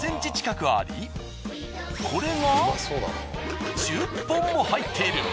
これが１０本も入っている。